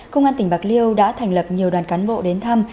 công an tỉnh bạc liêu đã thành lập nhiều đoàn cán bộ đến thăm